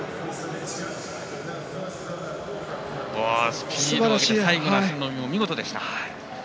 スピードも最後の伸びも見事でした。